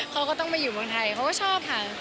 เขาก็ต้องมาอยู่เมืองไทยเขาก็ชอบค่ะ